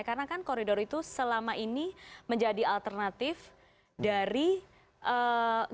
karena kan koridor itu selama ini menjadi alternatif dari hmmm